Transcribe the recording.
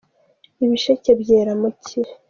ibishecye byera mu icyi